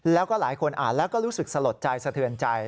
แล้วก็หลายคนอ่านแล้วก็รู้สึกสลดใจสะเทือนใจ